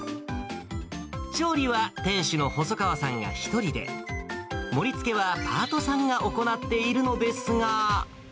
調理は店主の細川さんが１人で、盛りつけは、パートさんが行っているのですが。